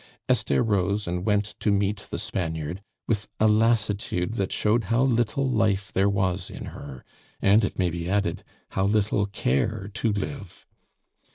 Esther rose and went to meet the Spaniard with a lassitude that showed how little life there was in her, and, it may be added, how little care to live.